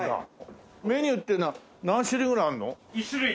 メニューっていうのは何種類ぐらいあるの？